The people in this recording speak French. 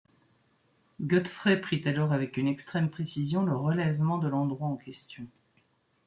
Godfrey prit alors avec une extrême précision le relèvement de l’endroit en question.